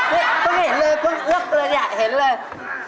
เฮ่ยเพิ่งเห็นเลยเพิ่งเอือกเลยอยากเห็นเลย